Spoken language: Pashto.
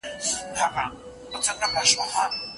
الله تعالی به دا کار قبول او د آخرت لپاره حجت وګرځوي؟